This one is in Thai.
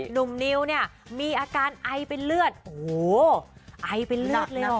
หนุ่มนิวเนี่ยมีอาการไอเป็นเลือดโอ้โหไอเป็นเลือดเลย